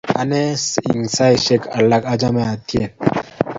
Anendet saistek alak achame atyeni.